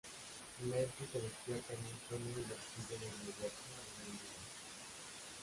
Melfi se despierta de su sueño y lo escribe de inmediato en un diario.